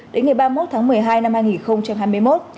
đến ngày ba mươi một tháng một mươi hai năm hai nghìn hai mươi một